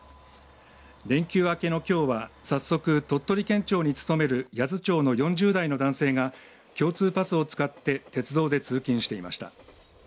連休明けのきょうは早速、鳥取県庁に勤める八頭町の４０代の男性が共通パスを使って鉄道で通勤していました。